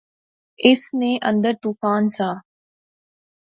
اس نے اندر طوفان سا